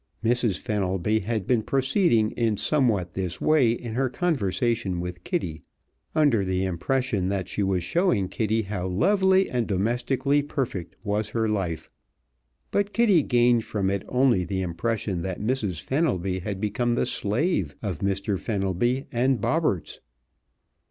Mrs. Fenelby had been proceeding in somewhat this way in her conversation with Kitty, under the impression that she was showing Kitty how lovely and domestically perfect was her life, but Kitty gained from it only the impression that Mrs. Fenelby had become the slave of Mr. Fenelby and Bobberts.